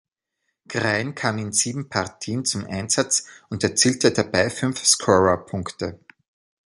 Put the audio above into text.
Grein kam in sieben Partien zum Einsatz und erzielte dabei fünf Scorerpunkte.